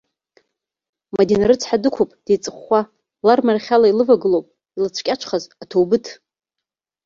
Мадина рыцҳа дықәуп деиҵхәаа, лармарахь ала илывагылоуп илыцәкьаҿхаз аҭоубыҭ.